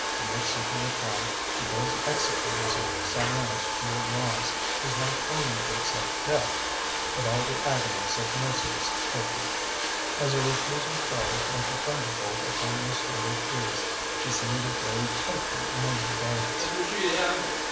To make such a reply to those executors of Siam's cruel laws was not only to accept death, but all the agonies of merciless torture. As her refusal fell like a thunderbolt upon my startled ears, she seemed a very Titan among the giants.